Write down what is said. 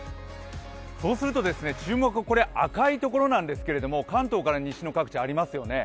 そうすると注目は赤いところなんですけども関東から西の各地ありますよね。